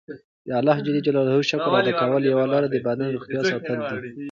د الله ج د شکر ادا کولو یوه لاره د بدن روغتیا ساتل دي.